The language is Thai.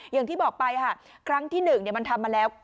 อย่างที่บอกไปค่ะครั้งที่๑มันทำมาแล้ว